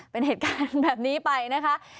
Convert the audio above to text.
เป็นเหตุการณ์แบบนี้ไปนะคะ